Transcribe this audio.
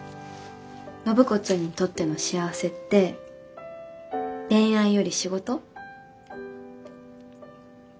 暢子ちゃんにとっての幸せって恋愛より仕事？